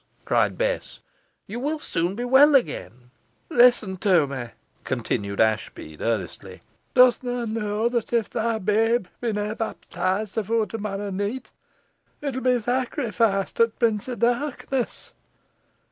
cried Bess. "You will soon be well again." "Listen to me," continued Ashbead, earnestly; "dust na knoa that if thy babe be na bapteesed efore to morrow neet, it'll be sacrificed to t' Prince o' Darkness.